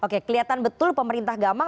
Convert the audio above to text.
oke kelihatan betul pemerintah gamal